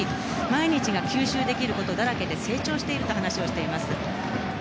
毎日が吸収できることだらけで成長していると話をしています。